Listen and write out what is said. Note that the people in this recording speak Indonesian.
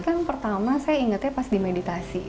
kan pertama saya ingatnya pas di meditasi